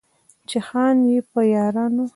چې خان يې، په يارانو